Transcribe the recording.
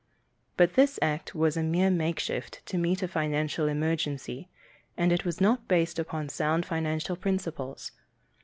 But this act was a mere makeshift to meet a financial emergency, and it was not based upon sound financial principles.